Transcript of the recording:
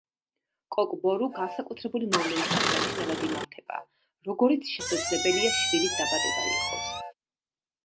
კოკ ბორუ განსაკუთრებული მოვლენის აღსანიშნავად იმართება, როგორიც შესაძლებელია შვილის დაბადება იყოს.